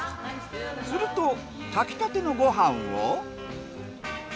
すると炊きたてのご飯を。